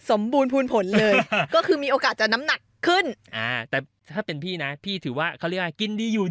สมบูรณ์พูดผลเลยก็คือมีโอกาสจะน้ำหนักขึ้น